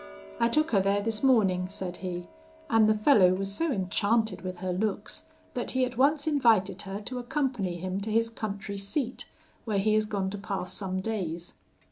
'I took her there this morning,' said he, 'and the fellow was so enchanted with her looks that he at once invited her to accompany him to his country seat, where he is gone to pass some days.